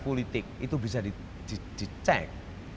politik itu bisa dicek